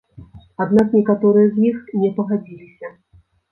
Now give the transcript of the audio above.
Аднак некаторыя з іх не пагадзіліся.